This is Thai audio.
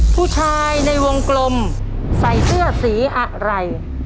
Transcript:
ผู้ชายในวงกลมใส่เสื้อสีอะไร